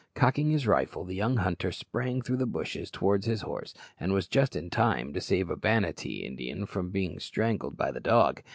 Cocking his rifle, the young hunter sprang through the bushes towards his horse, and was just in time to save a Banattee Indian from being strangled by the dog.